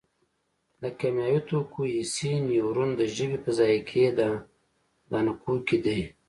د کیمیاوي توکو حسي نیورون د ژبې په ذایقې دانکو کې دي.